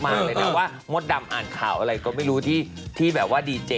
มันนั่งดางได้อยู่ทุกวันนี้